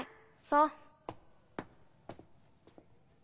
そう。